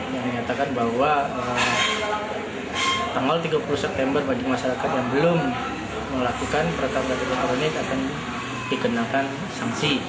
yang menyatakan bahwa tanggal tiga puluh september bagi masyarakat yang belum melakukan perekam ktp elektronik akan dikenakan sanksi